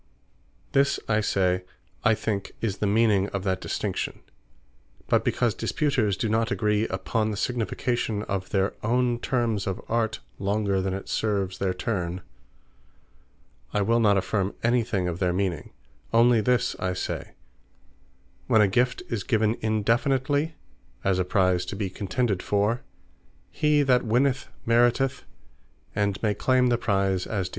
This I say, I think is the meaning of that distinction; but because Disputers do not agree upon the signification of their own termes of Art, longer than it serves their turn; I will not affirme any thing of their meaning: onely this I say; when a gift is given indefinitely, as a prize to be contended for, he that winneth Meriteth, and may claime the Prize as Due.